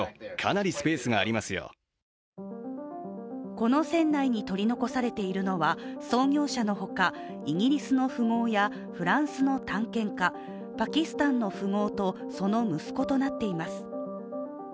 この船内に取り残されているのは創業者のほか、イギリスの富豪やフランスの探検家パキスタンの富豪とその息子となっています。